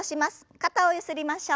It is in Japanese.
肩をゆすりましょう。